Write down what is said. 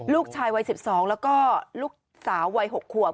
ลูกชายวัย๑๒แล้วก็ลูกสาววัย๖ขวบ